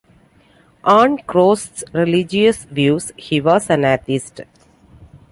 On Grosch's religious views, he was an atheist.